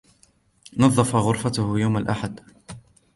نظف غرفته يوم الاحد.